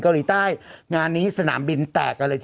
เกาหลีใต้งานนี้สนามบินแตก